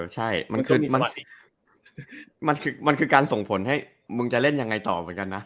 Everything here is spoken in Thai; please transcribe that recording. ใช่มันคือการส่งผลให้มึงจะเล่นยังไงต่อเหมือนกันนะ